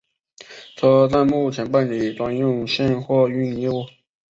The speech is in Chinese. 车站目前办理专用线货运业务。